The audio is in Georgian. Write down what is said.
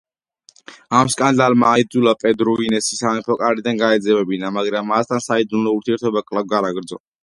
ამ სკანდალმა აიძულა პედრუ ინესი სამეფო კარიდან გაეძევებინა, მაგრამ მასთან საიდუმლო ურთიერთობა კვლავ განაგრძო.